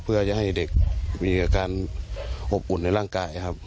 เพื่อจะให้เด็กมีอาการอบอุ่นในร่างกายครับ